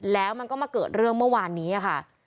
แล้วมันก็มาเกิดเรื่องเมื่อวานนี้ค่ะ